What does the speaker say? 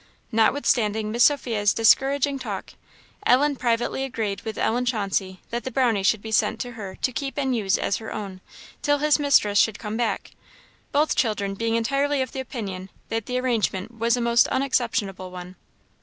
Notwithstanding Miss Sophia's discouraging talk, Ellen privately agreed with Ellen Chauncey that the Brownie should be sent to her to keep and use as her own, till his mistress should come back both children being entirely of opinion that the arrangement was a most unexceptionable one.